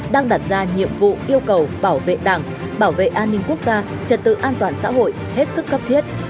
đang đặt ra nhiệm vụ yêu cầu bảo vệ đảng bảo vệ an ninh quốc gia trật tự an toàn xã hội hết sức cấp thiết